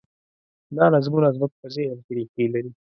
دا نظمونه زموږ په ذهن کې رېښې لري.